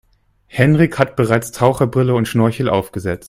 Henrik hat bereits Taucherbrille und Schnorchel aufgesetzt.